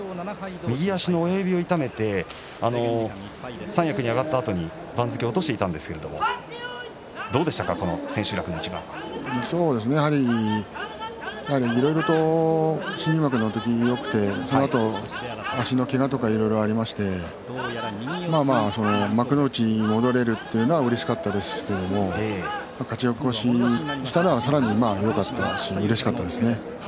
右足親指を痛めて三役に上がったあとに番付を落としていましたがやはり、いろいろと新入幕の時はよくてそのあと足のけがとかいろいろありまして幕内に戻れるというのはうれしかったですけれど勝ち越しをしたのはさらによかったしうれしかったですね。